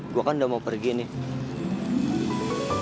gue kan udah mau pergi nih